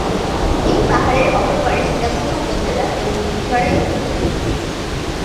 এই পাহাড়ের অপর পাড়ে সীতাকুণ্ড উপজেলা এবং মীরসরাই উপজেলা।